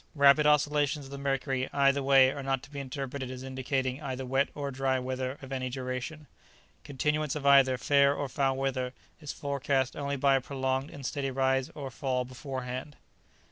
Rapid oscillations of the mercury either way are not to be interpreted as indicating either wet or dry weather of any duration; continuance of either fair or foul weather is forecast only by a prolonged and steady rise or fall beforehand.